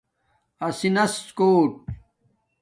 اسݳنس کوٹ